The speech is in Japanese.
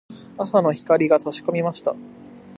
朝の光が差し込みました。